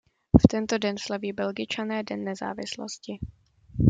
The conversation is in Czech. V tento den slaví Belgičané Den nezávislosti.